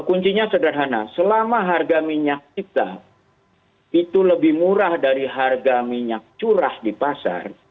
kuncinya sederhana selama harga minyak kita itu lebih murah dari harga minyak curah di pasar